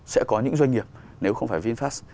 sẽ có những doanh nghiệp nếu không phải vinfast